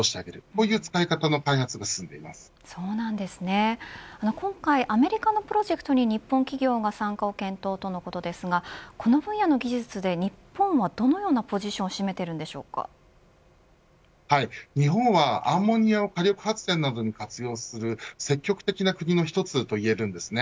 こういう使い方の今回、アメリカのプロジェクトに日本企業が参加を検討とのことですがこの分野の技術で日本はどのようなポジションを日本はアンモニアを火力発電に活用する積極的な国の一つといえるんです。